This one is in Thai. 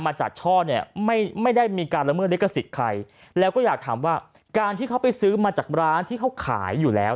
จัดช่อเนี่ยไม่ไม่ได้มีการละเมิดลิขสิทธิ์ใครแล้วก็อยากถามว่าการที่เขาไปซื้อมาจากร้านที่เขาขายอยู่แล้ว